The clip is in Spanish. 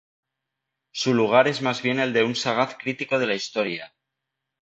Su lugar es más bien el de un sagaz crítico de la historia.